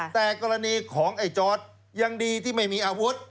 แต่กรณีของไอ้จอร์ดยังดีที่ไม่มีอาวุธ